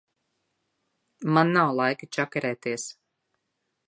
Man nav laika čakarēties.